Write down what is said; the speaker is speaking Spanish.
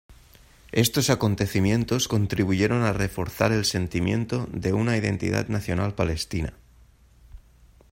Estos acontecimientos contribuyeron a reforzar el sentimiento de una identidad nacional palestina.